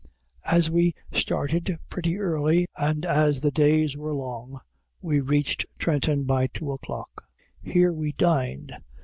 As we started pretty early, and as the days were long, we reached Trenton by two o'clock. Here we dined.